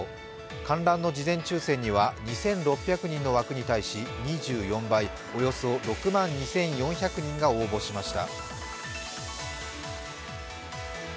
観覧の事前抽選には２６００人の枠に対し２４倍、およそ６万２４００人が応募しました。